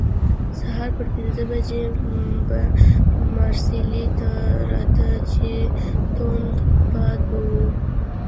سهار پر پنځه بجې به مارسیلي ته راته، چې توند باد به وو.